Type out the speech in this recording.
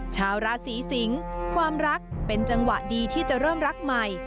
ชาวราศีสิงศ์ความรักเป็นจังหวะดีที่จะเริ่มรักใหม่